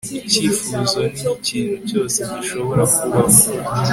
icyifuzo niho ikintu cyose gishobora kubaho